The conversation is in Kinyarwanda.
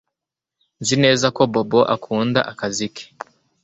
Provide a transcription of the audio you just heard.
Nzi neza ko Bobo akunda akazi ke